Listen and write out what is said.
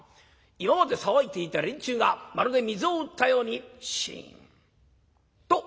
今まで騒いでいた連中がまるで水を打ったようにシンと。